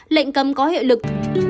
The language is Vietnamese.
lệnh cấm có hiệu lực